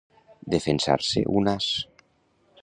Defensar-se un as.